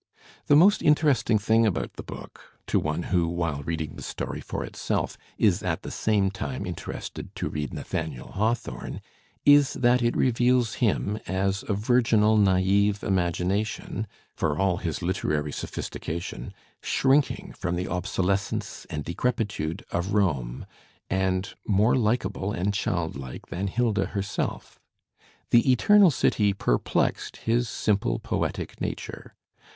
The most interesting thing about the book, to one who, while reading the story for itself, is at the same time inter ested to read Nathaniel Hawthorne, is that it reveals him as a virginal naive imagination (for aU his literary sophisti ^ cation) shrinking from the obsolescence and decrepitude of Rome and more likable and childlike than Hilda herself. The Eternal City perplexed his simple poetic nature.